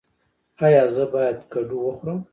ایا زه باید کدو وخورم؟